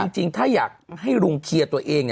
จริงถ้าอยากให้ลุงเคลียร์ตัวเอง